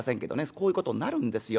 こういうことになるんですよ。